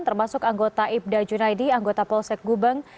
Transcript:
termasuk anggota ibda junaidi anggota polsek gubeng